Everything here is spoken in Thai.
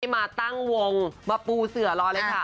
มาตั้งวงมาปูเสือรอเลยค่ะ